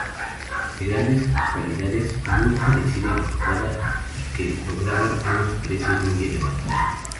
De grandes calidades, muy preciada y buscada, y que lograba unos precios muy elevados.